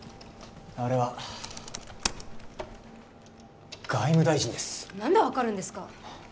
あれは外務大臣です何で分かるんですか？